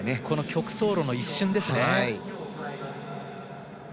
曲走路の一瞬ですね。